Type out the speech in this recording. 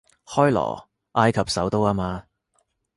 開羅，埃及首都吖嘛